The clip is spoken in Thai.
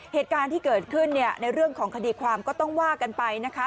เหตุการณ์ที่เกิดขึ้นเนี่ยในเรื่องของคดีความก็ต้องว่ากันไปนะคะ